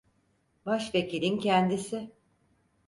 Başvekilin kendisi…